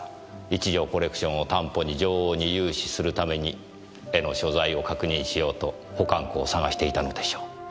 一条コレクションを担保に女王に融資するために絵の所在を確認しようと保管庫を探していたのでしょう。